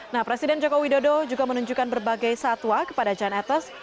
nah presiden joko widodo juga menunjukkan berbagai satwa kepada jan etes